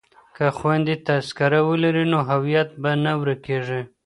که خویندې تذکره ولري نو هویت به نه ورکيږي.